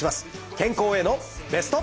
健康へのベスト。